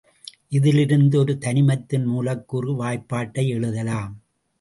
இதிலிருந்து ஒரு தனிமத்தின் மூலக்கூறு வாய்பாட்டை எழுதலாம்.